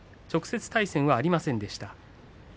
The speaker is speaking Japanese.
直接対戦はありませんでした。